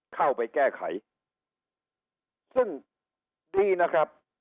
เข้าไปแก้ไขซึ่งดีนะครับ